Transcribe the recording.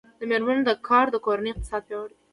د میرمنو کار د کورنۍ اقتصاد پیاوړی کوي.